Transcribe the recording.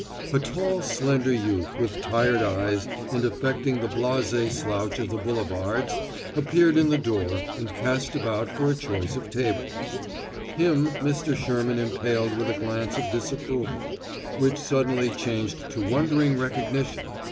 A tall slender youth with tired eyes and affecting the blasé slouch of the boulevards appeared in the door and cast about for a choice of tables. Him Mr. Sherman impaled with a glance of disapproval which suddenly changed to wondering recognition.